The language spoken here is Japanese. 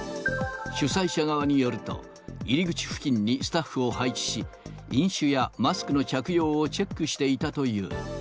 主催者側によると、入り口付近にスタッフを配置し、飲酒やマスクの着用をチェックしていたという。